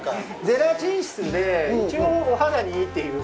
ゼラチン質で、一応、お肌にいいという。